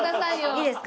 いいですか？